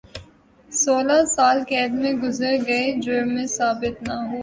سولہ سال قید میں گزر گئے جرم ثابت نہیں ہوا